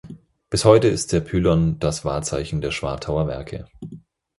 Bis heute ist der Pylon das Wahrzeichen der Schwartauer Werke.